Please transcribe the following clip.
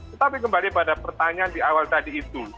tetapi kembali pada pertanyaan di awal tadi itu